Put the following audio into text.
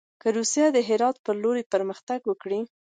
که روسیه د هرات پر لور پرمختګ وکړي.